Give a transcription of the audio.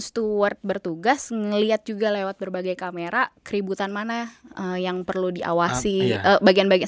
steward bertugas ngelihat juga lewat berbagai kamera keributan mana yang perlu diawasi bagian bagian